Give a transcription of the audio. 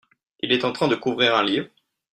Il est en train de couvrir un livre ?